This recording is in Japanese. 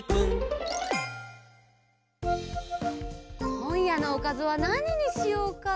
こんやのおかずはなににしようかな。